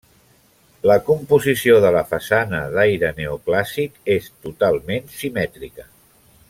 La composició de la façana, d'aire neoclàssic, és totalment simètrica.